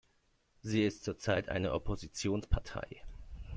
Sie ist zurzeit eine Oppositionspartei.